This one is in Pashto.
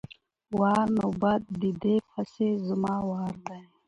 وار= نوبت، د دې پسې زما وار دی!